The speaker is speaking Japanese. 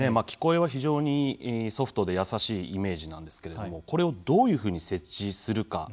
聞こえは非常にソフトで優しいイメージなんですけれどもこれをどういうふうに設置するか。